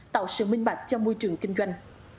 tạo sự minh bạc cho môi trường kinh doanh